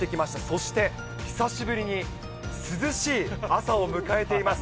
そして、久しぶりに涼しい朝を迎えています。